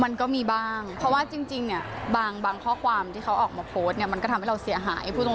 มันก็มีบ้างเพราะว่าจริงเนี่ยบางข้อความที่เขาออกมาโพสต์เนี่ยมันก็ทำให้เราเสียหายพูดตรง